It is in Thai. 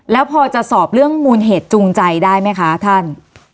แล้วพอจะสอบเรื่องมูลเหตุจูงใจได้ไหมคะท่าน